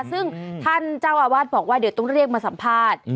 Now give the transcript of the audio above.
ซึ่งท่านเจ้าอาวาสบอกว่าเดี๋ยวต้องเรียกมาสัมภาษณ์